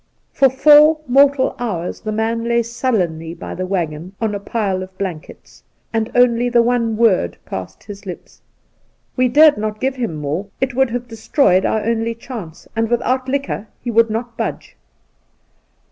For four mortal hours the man lay sullenly by the waggon on a pile of blankets, and only the one word passed his lips. We dared not give him more — ^it would have destroyed our only chance ; and without liquor he would not budge.